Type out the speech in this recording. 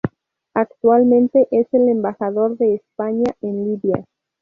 Actualmente es el Embajador de España en Libia.